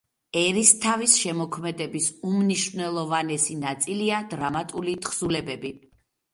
ერისთავის შემოქმედების უმნიშვნელოვანესი ნაწილია დრამატული თხზულებები.